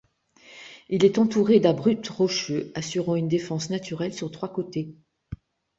Il est entouré d'abrupts rocheux assurant une défense naturelle sur trois côtés.